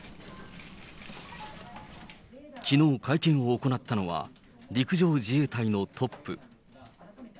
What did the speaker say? きのう会見を行ったのは、陸上自衛隊のトップ。